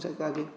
chạy ca kia